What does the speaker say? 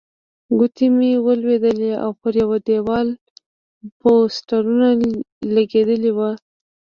کوټې مې ولیدلې او پر یوه دېوال پوسټرونه لګېدلي وو.